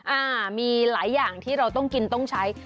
อ่ามีหลายอย่างที่เราต้องกินต้องใช้